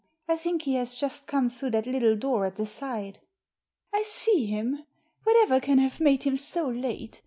I think he has just come through that little door at the side." "I see him. Whatever can have made him so late?